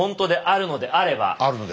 あるのであれば。